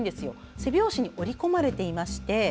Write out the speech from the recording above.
背表紙に折り込まれていまして。